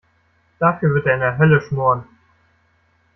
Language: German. Dafür wird er in der Hölle schmoren.